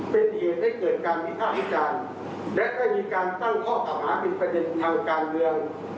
เป็นเหตุให้เกิดการวิภาควิจารณ์และได้มีการตั้งข้อเก่าหาเป็นประเด็นทางการเมือง